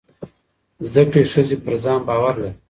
زده کړې ښځې پر ځان باور لري.